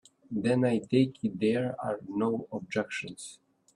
Then I take it there are no objections.